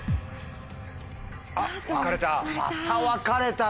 あっ分かれた。